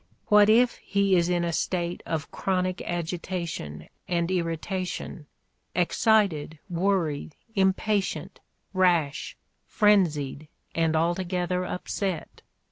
What if he is in a state of chronic agita tion and irritation, "excited, worried, impatient, rash, frenzied, and altogether upset"?